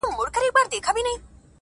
• مرور سهار به خامخا ستنېږي,